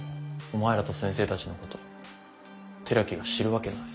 お前らと先生たちのこと寺木が知るわけない。